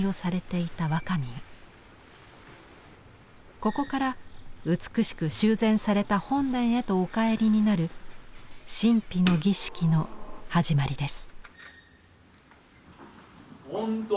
ここから美しく修繕された本殿へとお帰りになる神秘の儀式の始まりです。